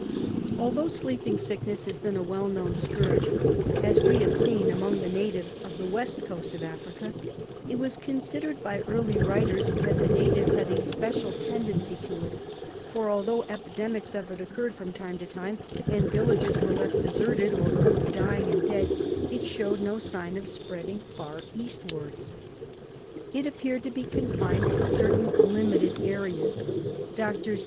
Although sleeping sickness has been a well known scourge, as we have seen, among the natives of the West Coast of Africa, it was considered by early writers that the natives had a special tendency to it, for, although epidemics of it occurred from time to time, and villages were left deserted or full of dying and dead, it showed no sign of spreading far eastwards. It appeared to be confined to certain limited areas. Dr.